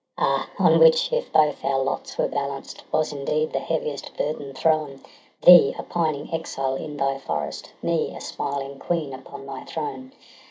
Ah, on which, if both our lots were balanced, Was indeed the heaviest burden thrown — Thee, a pining exile in thy forest. Me, a smiling queen upon my throne?